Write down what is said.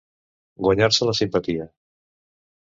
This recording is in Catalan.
Guanyar-se la simpatia.